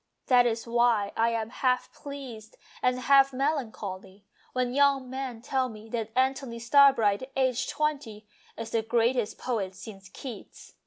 That is why I am half pleased and half melancholy when young men tell me that Antony Starbright, aged twenty, is the greatest poet since Keats.